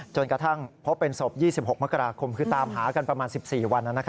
จนกระทั่งพบเป็นศพ๒๖มกราคมคือตามหากันประมาณ๑๔วัน